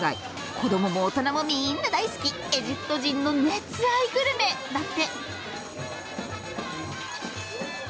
子供も大人もみんな大好きエジプト人の熱愛グルメだって！